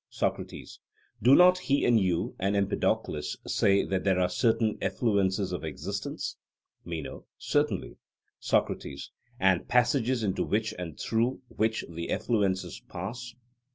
SOCRATES: Do not he and you and Empedocles say that there are certain effluences of existence? MENO: Certainly. SOCRATES: And passages into which and through which the effluences pass?